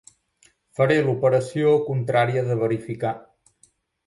Faré l'operació contrària de verificar.